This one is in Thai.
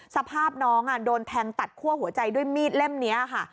สภาพน้องโดนแทงตัดคั่วหัวใจด้วยมีดเล่มนี้ค่ะ